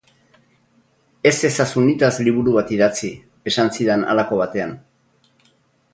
Ez ezazu nitaz liburu bat idatzi, esan zidan halako batean.